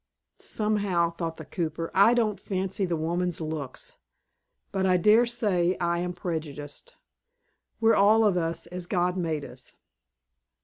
"Somehow," thought the cooper, "I don't fancy the woman's looks, but I dare say I am prejudiced. We're all of us as God made us."